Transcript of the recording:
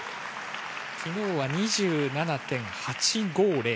昨日は２７．８５０。